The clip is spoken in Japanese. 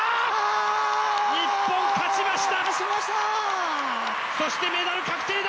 日本、勝ちました。